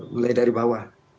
mulai dari bawah